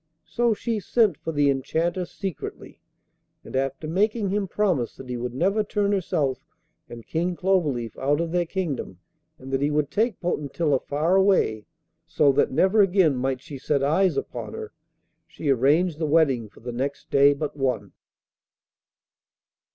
So she sent for the Enchanter secretly, and after making him promise that he would never turn herself and King Cloverleaf out of their kingdom, and that he would take Potentilla far away, so that never again might she set eyes upon her, she arranged the wedding for the next day but one.